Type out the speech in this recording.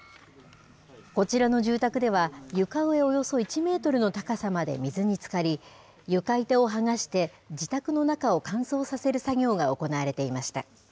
こちらの住宅では、床上およそ１メートルの高さまで水につかり、床板を剥がして、自宅の中を乾燥させる作業が行われていました。